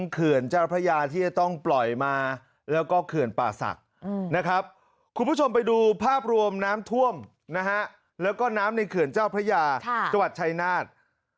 คุณผู้ชมไปดูภาพรวมน้ำท่วมนะฮะแล้วก็น้ำในเขื่อนเจ้าพระยาจัวร์ชัยนาธิ์